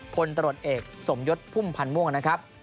พลตรวจเอกสมยศพุ่มพันธ์ม่วงนะครับ